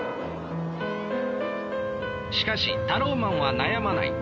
しかしタローマンは悩まない。